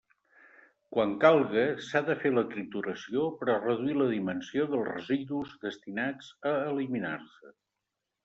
Quan calga, s'ha de fer la trituració per a reduir la dimensió dels residus destinats a eliminar-se.